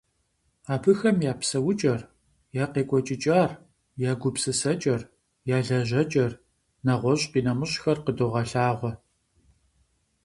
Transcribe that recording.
Абыхэм я псэукӀэр, я къекӀуэкӀыкӀар, я гупысэкӀэр, я лэжьэкӀэр, нэгъуэщӀ-къинэмыщӀхэр къыдогъэлъэгъуэ.